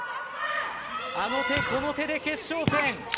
あの手この手で決勝戦。